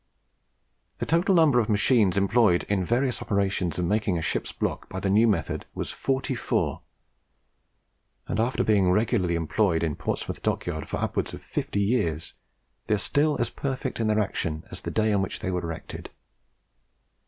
The total number of machines employed in the various operations of making a ship's block by the new method was forty four; and after being regularly employed in Portsmouth Dockyard for upwards of fifty years, they are still as perfect in their action as on the day they were erected.